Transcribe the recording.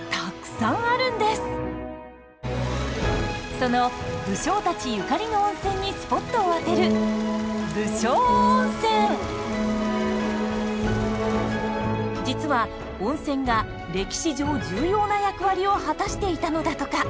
その武将たちゆかりの温泉にスポットを当てる実は温泉が歴史上重要な役割を果たしていたのだとか。